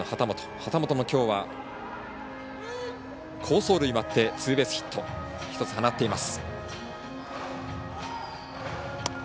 畑本も、きょうは好走塁があってツーベースヒットを１つ、放っています。